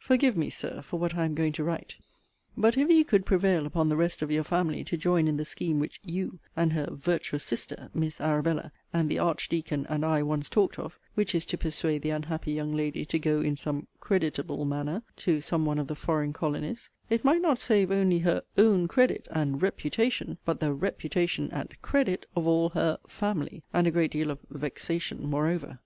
Forgive me, Sir, for what I am going to write: but if you could prevail upon the rest of your family to join in the scheme which 'you,' and her 'virtuous sister,' Miss Arabella, and the Archdeacon, and I, once talked of, (which is to persuade the unhappy young lady to go, in some 'creditable' manner, to some one of the foreign colonies,) it might not save only her 'own credit' and 'reputation,' but the 'reputation' and 'credit' of all her 'family,' and a great deal of 'vexation' moreover.